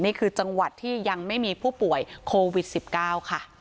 นี่คือจังหวัดที่ยังไม่มีผู้ป่วยโควิด๑๙ค่ะ